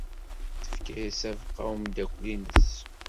Tefka-as abeqqa i umeddakel-nnes.